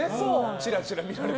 ちらちら見られて。